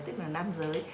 tức là nam giới